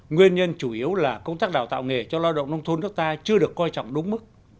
nguyên nhân chủ yếu là công tác đào tạo nghề cho lao động nông thôn nước ta chưa được coi trọng đúng mức